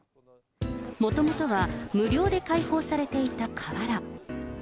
もともとは、無料で開放されていた河原。